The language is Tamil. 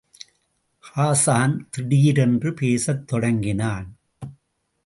ஹாஸான் திடீரென்று பேசத் தொடங்கினான்.